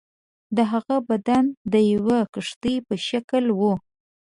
د هغه بدن د یوې کښتۍ په شکل وو.